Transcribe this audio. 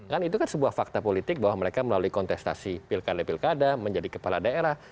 kan itu kan sebuah fakta politik bahwa mereka melalui kontestasi pilkada pilkada menjadi kepala daerah